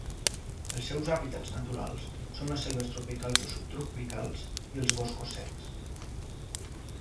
Els seus hàbitats naturals són les selves tropicals o subtropicals i els boscos secs.